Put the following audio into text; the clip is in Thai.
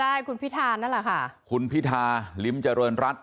ใช่คุณพิธานั่นแหละค่ะคุณพิธาลิ้มเจริญรัฐ